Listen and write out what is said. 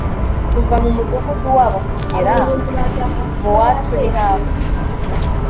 Kuva mu mudugudu wabo kugera muwacu ni hafi